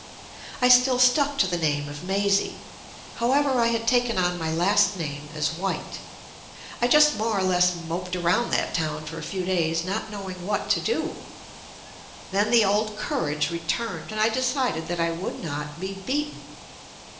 I still stuck to the name of Mazie. How ever, I had taken on my last name as White. I just more or less moped around that town for a few days not knowing what to do; then the old courage returned, and I decided that I would not be beaten.